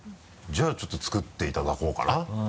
じゃあちょっと作っていただこうかな？